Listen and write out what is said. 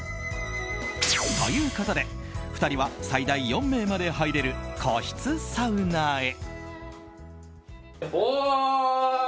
ということで２人は最大４名まで入れる個室サウナへ。